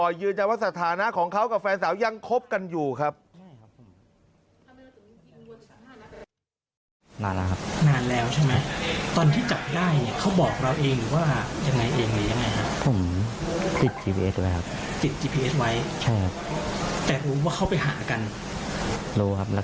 เยนเชื่อจะว่าสถานะเขากับแฟนสาวยังคบกันอยู่ครับ